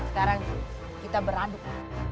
eh sekarang kita beraduk